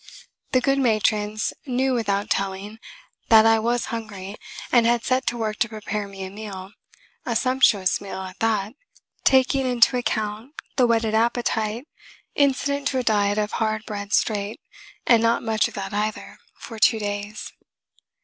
The good matrons knew without telling that I was hungry and had set to work to prepare me a meal, a sumptuous meal at that, taking into account the whetted appetite incident to a diet of hard bread straight, and not much of that either, for two days.